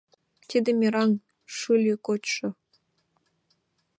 — Тиде мераҥ — шӱльӧ кочшо.